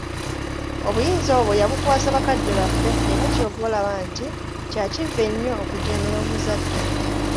Obuyinza obwo yabukwasa bakadde baffe era ky'ova olaba nti kya kivve nnyo okujeemera omuzadde.